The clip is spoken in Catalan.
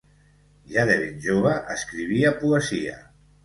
Ja de ben jove escrivia poesia.